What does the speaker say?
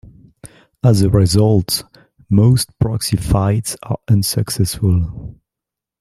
As a result, most proxy fights are unsuccessful.